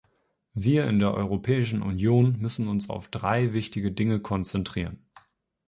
Wir in der Europäischen Union müssen uns auf drei wichtige Dinge konzentrieren.